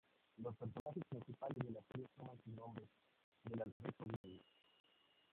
Los personajes principales de la serie toman sus nombres del alfabeto griego.